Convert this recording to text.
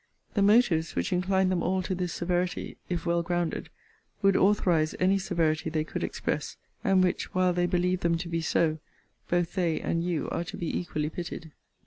The motives which incline them all to this severity, if well grounded, would authorize any severity they could express, and which, while they believe them to be so, both they and you are to be equally pitied.